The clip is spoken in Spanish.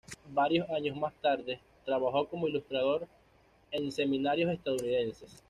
Varios años más tarde trabajó como ilustrador en semanarios estadounidenses.